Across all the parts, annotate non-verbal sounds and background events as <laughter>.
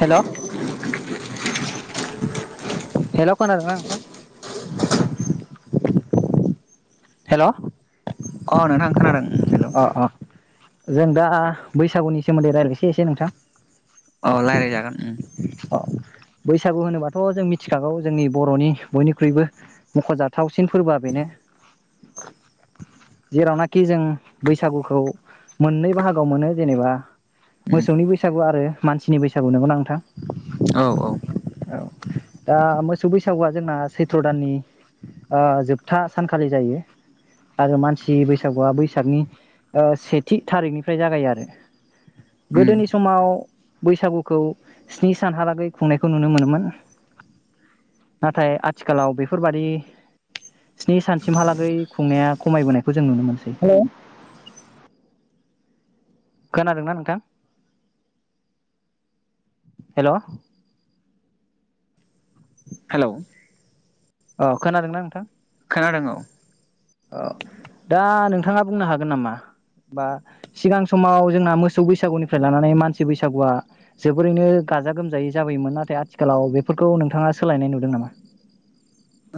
हेल' hello खोनादों ना नोंथां हेलौ अ नोंथां खोनादों उम हेलौ जों दा बैसागुनि सोमोन्दै रायलायनोसै एसे नोंथां अ लायराय जागोन उम अ बैसागु होनोबाथ जों मिथिखागौ जोंनि बर'नि बयनिख्रुइबो मख'जाथावसिन फोरबोआ बेनो <unintelligible> जेरावनाखि जों बैसागुखौ मोननै बाहागोआव मोनो जेनेबा मोसौनि बैसागु आरो मानसिनि बैसागु नंगौ ना नोंथां? औ औ। औ दा मोसौ बैसागुआ जोंना सैथ्र' दाननि ओ जोबथा सानखालि जायो। आरो मानसि बैसागुआ बैसागनि ओ सेथि थारिखनिफ्राय जागायो आरो गोदोनि समाव बैसागुखौ स्नि सानहालागै खुंनायखौ नुनो मोनोमोन नाथाय आथिखालाव बेफोरबादि स्नि सानसिमहालाग गै खुंनाया खमायबोनायखौ जों नुनो मोनसै। खोनादोंना नोंथां हेल'? हेल' अ खोनादोंना नोंथां? खोनादों औ अ दा नोंथाङा बुंनो हागोन नामा बा सिगां समाव जोंहा मोसौ बैसागुनिफ्राय लानानै मानसि बैसागुआ जोबोरैनो गाजा गोमजायै जाबोयोमोन नाथाय आथिखालाव दा नोंथाङा बिफोरखौ सोलायनाय नुदों नामा?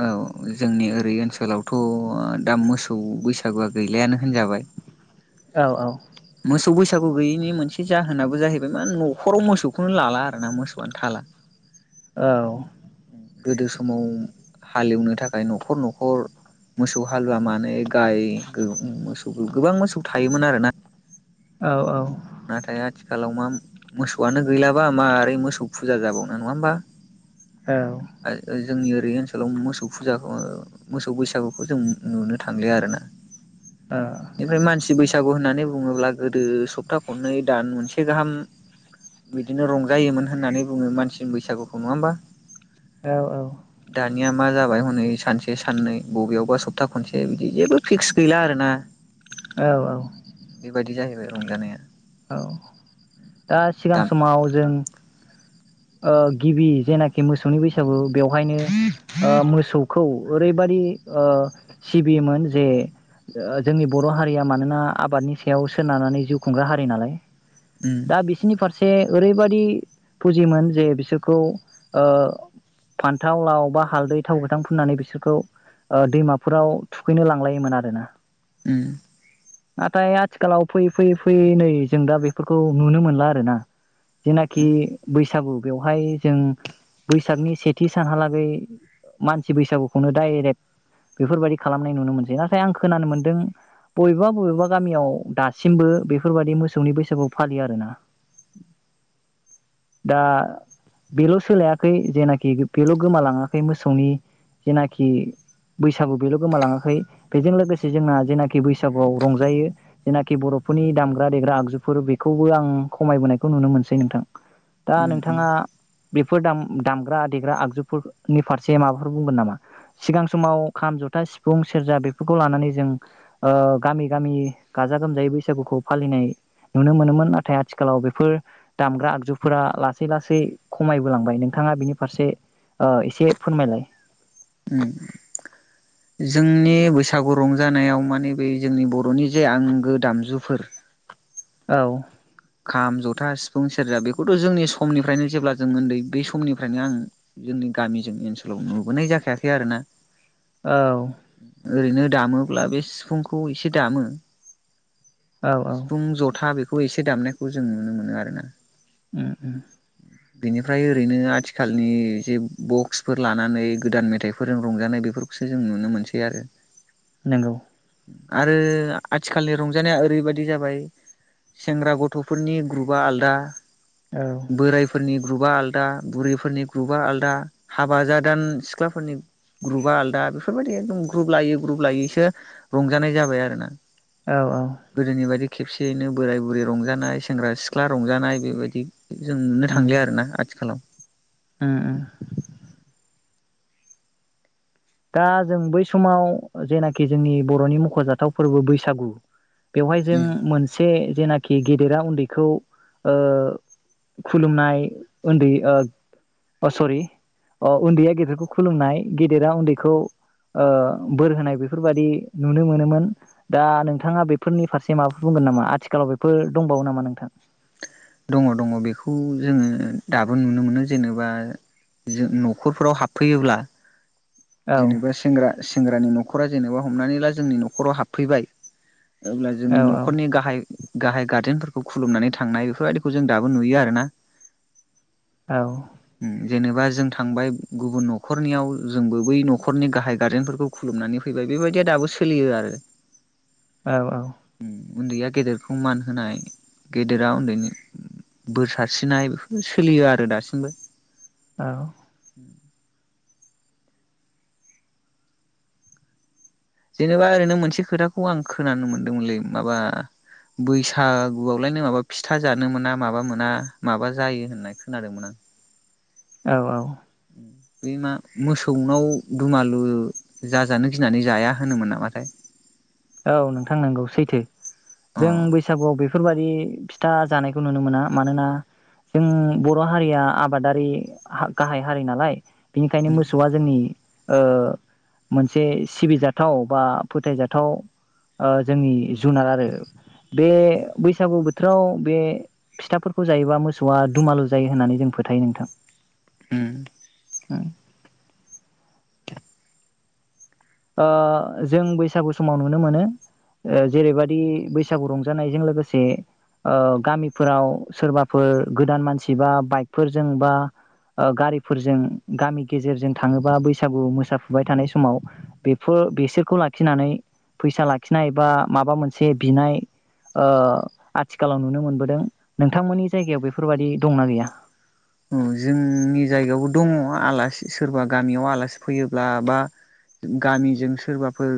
औ जोंनि ओरै ओनसोलावथ' दा मोसौ बैसागुआ गैलायानो होनजाबाय। औ औ। मोसौ बैसागु गैयैनि मोनसे जाहोनाबो जाहैबाय मा न'खराव मोसौखौनो लाला आरोना मोसौआनो थाला। औ। गोदो समाव हालेवनो थाखाय न'खर न'खर मोसौ हालुवा मानो गाय मोसौ गोबां मोसौ थायोमोन आरोना। औ औ। नाथाय आथिखालाव मा मोसौआनो गैलाबा मारै मोसौ फुजा जाबावनो नङा होमबा? औ जोंनि बै ओनसोलाव मोसौ फुजाखौ मोसौ बैसागुखौ जों नुनो थांलिया आरोना। बेनिफ्राय मानसि बैसागु होननानै नानै बुङोब्ला गोदो सप्ताह खननै दान मोनसे गाहाम बिदिनो रंजायोमोन होननानै बुङो मानसिनि बैसागुखौ नङा होमबा? औ औ। निया मा जाबाय हनै सानसे साननै बबेयावबा सप्ता खनसे बिदि जेबो फिक्स गैला आरोना। औ औ। बेबायदि जाहैबाय रंजानाया औ दा सिगां दाम समाव जों ओ गिबि जेनाखि मोसौनि बैसागु बेवहायनो मोसौखौ ओरैबादि ओ सिबियोमोन जे जोंनि बर' हारिया मानोना आबादनि सायाव सोनारनानै जिउ खुंग्रा हारि नालाय। उम दा बिसिनि फारसे से ओरैबादि फु जिमोन जे बिसोरखौ ओ फान्थाव, लाव बा हालदै, थाव गोथां फुननानै बिसोरखौ ओ दैमाफोराव थुखैनो लांलायोमोन आरोना। ओम। नाथाय आथिखालाव फैयै फैयै फैयै नै जों दा बेफोरखौ नुनो मोनला आरोना। जेनाखि बैसागु बेवहाय जों बैसागनि सेथि सानहालागै मानसि बैसागुखौनो डाइरेक्ट बेफोरबायाददि खालामनाय नुनो मोनसै नाथाय आं खोनानो मोन्दों बबेबा बबेबा गामियाव दासिमबो बेफोरबायदि मोसौनि बैसागु फालियो आरोना। दा बेल' सोलायाखै जेनाखि बेल' गोमालाङाखै मोसौनि जेनाखि बैसागु बेल' गोमालाङाखै बेजों लोगोसे जोंना जेनाखि बैसागुआव रंजायो जेनाखि बरफोरनि दामग्रा देग्रा आगजुफोर बेखौबो आं खमायबोनायखौ नुनो मोनसै नोंथां। दा उम उम नोंथाङा बेफोर दाम-दामग्रा देग्रा आगजुफोरनि फारसे माबाफोर बुंगोन नामा? सिगां समाव खाम, जथा, सिफुं, सेरजा बेफोरखौ लानानै जों ओ गामि गामि गाजा गोमजायै बैसागुखौ फालिनाय नुनो मोनोमोन नाथाय आथिखालाव बेफोर दामग्रा आगजु फोरा लासै लासै खमायबो लांबाय नोंथाङा बिनि फारसे ओ एसे फोरमायलाय। जोंनि बैसागु रंजानायाव माने बे जोंनि बर'नि जे आंगो दामजुफोर औ खाम, जथा, सिफुं, सेरजा बेखौथ' जोंनि समनिफ्रायनो जेब्ला जों उन्दै बेै समनिफ्रायनो आं जोंनि गामिजों ओनसोलाव नुबोनाय जाखायाखै आरोना। औ ओरैनो दामोब्ला बे सिफुंखौ एसे दामो। औ औ सिफुं जथा बेख खौ एसे दामनो खौ जों नुनो मोनो आरोना उम उम बेनिफ्राय ओरैनो आथिखालनि जे बक्सफोर लानानै गोदान मेथाइफोरजों रंजानाय बेफोरखौसो जों नुनो मोनसै आरो नंगौ आरो आथिखालनि रंजानाया ओरैबायदि जाबाय सेंग्रा गथ थ'फोरनि ग्रुपआ आलदा औ बोरायफोरनि ग्रुपआ आलादा, बुरिफोरनि ग्रुपा आलादा, हाबा जादान सिख्लाफोरनि ग्रुपआ आलादा बेफोरबायदि एकदम ग्रुप लायै ग्रुप लायैसो रंजानाय जाबाय आरो ना। औ औ खेबसेयैनो बोराय बुरै रंज जानाय, सेंग्रा सिख्ला रंजानाय बेबायदि जों नुनो उम थांलिया आरो ना आथिखालाव उम उम दा जों बै समाव जेनाखि जोंनि बर'नि मख'जाथाव फोरबो बैसागु बेवहाय जों मोनसे जेनाखि गे देरा उन्दैखौ ओ खुलुमनाय उन्दै ओ अ सरि उन्दैया गेदेरखौ खुलुमनाय, गेदेरा उन्दै खौ ओ बोर होनाय बेफोरबादि नुनो मोनोमोन दा नोंथाङा बेफोरनि फारसे माबाफोर बुंगोन नामा? आथिखालाव बेफोर दंबावो नामा नोंथां? दङ' दङ', बेखौ जोङो दाबो नुनो मोनो, जेनेबा जों न'खरफ्राव हाबफैयोब्ला औ जेनेबा सेंग्रा सेंग्रानि न'खरा जेनेबा हमनानै ला जोंनि न'खराव हाबफैबाय अब्ला जोंनि औ न'खरनि गाहाय गाहाय गार्जेनफोरखौ खुलुमनानै थांनाय बेफोरबायदिखौ जों दाबो नुयो आरो ना। औउ जेनेबा जों थांबाय गुबुन न'खरनियाव जोंबो बै नखरनि गाहाय गार्जेनफोरखौ खुलुमनानै फैबाय बेबायदिया दाबो सोलियो आरो औ औ उन्दैया गेदेरखौ मान होनाय गेदेरा उन्दैनि बोर सारस्रिनाय बेफोर सोलियो आरो दासिमबो। औ। जेनेबा ओरैनो मोनसे खोथाखौ आं खोनानो मोनदोंमोनलै, माबा बैसागुआवलायनो माबा फिथा जानो मोना माबा मोना माबा जायो होननाय खोनादोंमोन आं। औ औ। बे मा मोसौनाव दुमालु जाजानो गिनानै जाया होनोमोन नामाथाय। औ नोंथां नंगौ सैथो अ जों बैसागुआव बेफोरबादि। फिथा जानायखौ नुनो मोना मानोना जों बर' हारिया आबादारि हा-गाहाय हारि नालाय। बिनिखायनो उम मोसौआ जोंनि। ओ मोनसे सिबिजाथाव बा फोथायजाथाव। ओ जोंनि जुनार आरो बे बैसागु बोथोराव बे फिथाफोरखौ जायोबा मोसौआ दुमालु जायो होननानै जों फोथायो नोंथां। उम। उम। ओ जों बैसागु समाव नुनो मोनो ओ जेरैबायदि बैसागु रंजानायजों लोगोसे ओ गामिफोराव सोरबाफोर गोदान मानसि बा बाइकफोरजों बा ओ गारिफोरजों गामि गेजेरजों थाङोबा बैसागु मोसाफुबाय थानाय समाव। बेफो-बिसोरखौ लाखिनानै फैसा लाखिनाय बा माबा मोनसे बिनाय ओ आथिखालाव नुनो मोनबोदों नोंथांमोननि जायगायाव बेफोरबायदि दंना गैया? ओं जोंनि जायगायावबो दङ आलासि सोरबा गामियाव आलासि फैयोब्ला बा गामिजों सोरबाफोर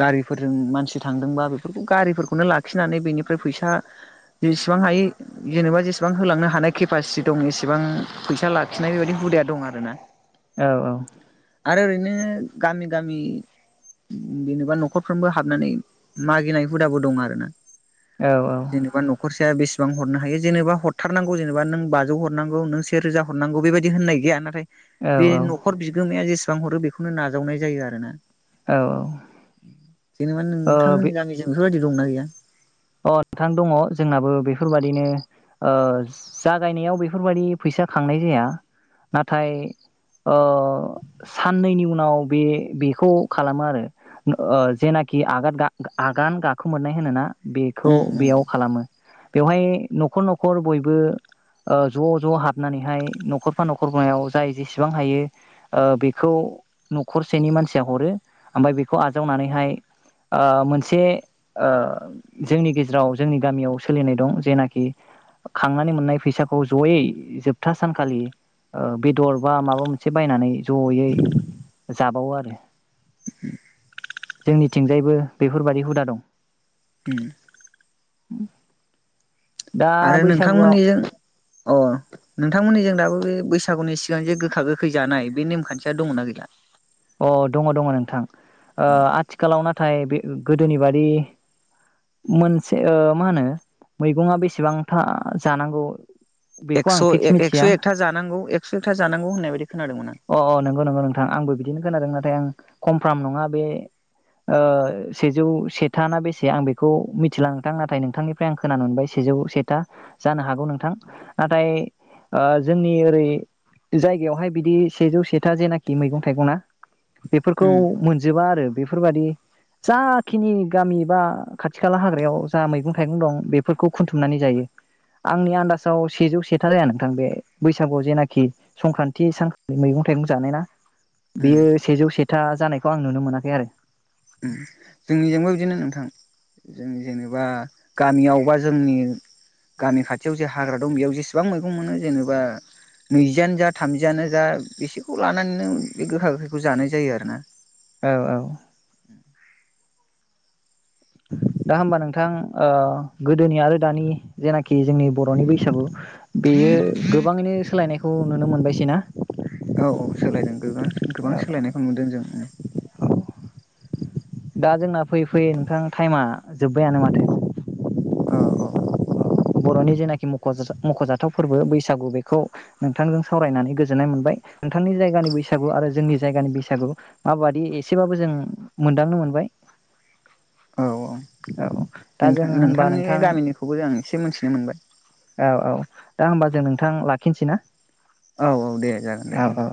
गारिफोरजों मानसि थांदोंबा बेफोरखौ गारिफोरखौनो लाखिनानै बेनिफ्राय फैसा जेसेबां हायो जेनोबा जेसेबां होलांनो हानाय केपासिटि दं एसे सेबां फैसा लाखिनाय बेबायदि हुदाया दं आरो ना। औ औ। आरो ओरैनो गामि गामि बेनोबा न'खरफ्रोमबो हाबनानै मागिनाय हुदाबो दं आरो ना। जेनेबा न'खरसेया बेसे सेबां हरनो हायो जेनेबा हरथारनांगौ जेनेबा नों बाजौ हरनांगौ नों से रोजा हरनांगौ बेबायदि होननाय गैया नाथाय औ बे औ न'खर बि माया जेसेबां हरो बेखौनो नावनाय जायो आरो ना। ओ जेनेबा बे नोंथांमोननि गामिजों बेफोरबायदि। दंना गैया? अ नोंथां दङ जोंनाबो बेफोरबा दिनो ओ जागायनायाव बेफोरबादि फैसा खांनाय जाया नाथाय ओ साननैनि उनाव बे बेखौ खालामो आरो ओ जेनाखि आगान गाखो ओ आगान गाखोमोननाय होनोना। बेखौ उम उम बेयाव खालामो। बेवहाय न'खर न'खर बयबो ओ ज' ज' हाबनानैहाय न'खरफा न'खरफायाव जाय जेसेबां हायो ओ बेखौ न'खरसेनि मानसिया हरो ओमफाय बेखौ आजावनानैहाय आ मोनसे ओ जोंनि गेजेराव जोंनि गामियाव सोलिनाय दं जेनाखि खांनानै मोननाय फैसाखौ जयै जोबथा सानखालि ओ बेदर बा माबा मोनसे बायनानै जयै जाबावो आरो जोंनिथिंजायबो बेफोरबादि हुदा दं। उम <inaudible> आरो बैसागुआव नोंथांमोननिजों अ नोंथांमोननिजों दाबो बैसा सागुनि सिगां जे गोखा गोखै जानाय बे नेमखान्थिया दङना गैला? अ दङ दङ नोंथां ओ आथिखालाव नाथाय बे गोदोनि बादि मोनसे ओ मा होनो मैगङा बेसेबांथा जानांगौ। बेखौ आं एकस' फिक्स मिथिया एक-एकस' एकथा जानांगौ एकस' एकथा जानांगौ होननाय बायदि खोनादोंमोन आं। दिनो खोनादों नाथाय आं कमफ्रम नङा बे ओ सेजौ सेथा ना बेसे आं बेखौ मि थिलां नाथाय नोंथांनिफ्राय आं खोनानो मोनबाय सेजौ सेथा जानो हागौ गौ नोंथां नाथाय। ओ जोंनि ओरै जायगायावहाय बिदि सेजौ सेथा जेनाखि मैगं थाइगं ना। बेफोरखौ उम मोनजोबा आरो बेफोरबादि जाखिनि गामि बा खाथि खाला हाग्रायाव जा मैगं-थाइगं दं बेफोरखौ खुथुमनानै जायो आंनि आन्दाजाव सेजौ सेथा जाया नोंथां बे बैसागुआव जेनाखि संक्रानटि सानखालि मैगं-थाइगं उम बेयो सेजौ से था जानायखौ आं नुनो मोनाखै आरो जोंनिजोंबो बिदिनो नोंथां जों जेनेबा गामियावबा जोंनि गामि खाथियाव जे हाग्रा दं बेयाव जेसेबां मैगं मोनो जेनेबा नैजियानो जा थामजियानो जा बेसेखौ लानानैनो बे गोखा गोखैखौ जानाय जायो आरो ना औ औ उ दा होमबा नोंथां ओ गोदोनि आरो दानि जेनाखि जोंनि बर'नि बैसागु बेयो गोबाङैनो सोलायनाय खौ नुनो मोनबायसै ना औ औ सोलायदों गोबां गोबां सोलायनायखौ नुदों जों दा जोंना फैयै फैयै नोंथां टाइमा जोब्बायानो माथो औ औ बर'नि जेनाखि म'ख मख'जाथाव फोरबो बैसागु बेखौ नोंथांजों सावरायनानै गोजोननाय मोनबाय नोंथांनि जायगानि बैसागु आरो जोंनि जायगानि बैसागु माबादि एसेबाबो जों मोनदांनो मोनबाय औ औ औ दा जों नोंथां होनबा नोंथांनि नोंथां गामिनिखौबो जों एसे मोनथिनो मोनबाय औ औ दा होमबा जों नोंथां लाखिनोसै ना औ औ दे जागोन दे औ औ